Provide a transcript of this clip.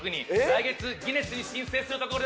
来月ギネスに申請するところです。